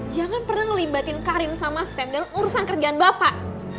jangan pernah ngelibatin karin sama sander urusan kerjaan bapak